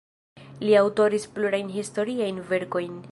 Li aŭtoris plurajn historiajn verkojn.